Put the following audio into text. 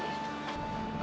pikirin omongan reva semalam ya